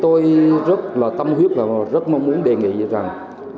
tôi cũng rất là tâm huyết và rất mong muốn đề nghị rằng